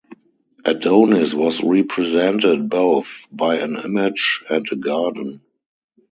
Adonis was represented both by an image and a garden.